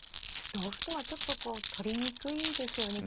同歩とはちょっとこう取りにくいですよね。